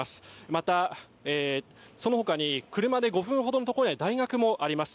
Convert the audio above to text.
また、そのほかに車で５分ほどのところには大学もあります。